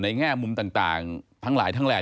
แง่มุมต่างทั้งหลายทั้งแหล่